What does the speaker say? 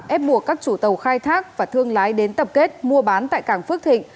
ép buộc các chủ tàu khai thác và thương lái đến tập kết mua bán tại cảng phước thịnh